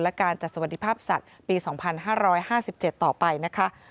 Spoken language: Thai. และการจัดสวัสดิภาพสัตว์ปี๒๕๕๗ต่อไปนะคะ